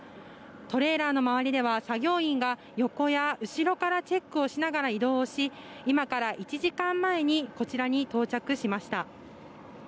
トレーラーの周りでは作業員が横や後ろからチェックしながら移動し今から１時間前にこちらに到着しました。